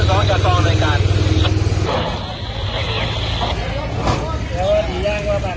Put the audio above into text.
สวัสดีครับ